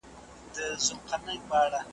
زموږ نیکونو دا ویلي له پخوا دي .